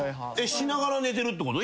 しながら寝てるってこと？